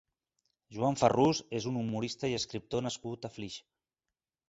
Joan Ferrús és un humorista i escriptor nascut a Flix.